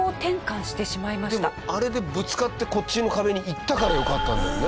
でもあれでぶつかってこっちの壁に行ったからよかったんだよね